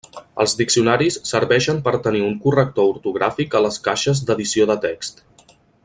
Els diccionaris serveixen per tenir un corrector ortogràfic a les caixes d'edició de text.